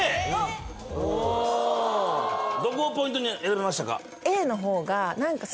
おおっどこをポイントに選びましたか？